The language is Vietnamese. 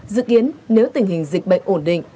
dự kiến nếu tình hình dịch bệnh ổn định